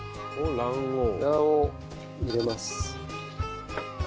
卵黄入れます。